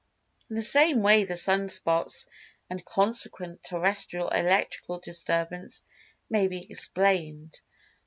In the same way the "Sun spots," and consequent terrestial electrical disturbance may be explained.